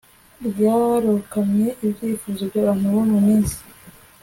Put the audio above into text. ryarokamye ibyifuzo byabantu bo mu minsi